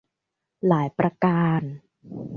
หลายประการ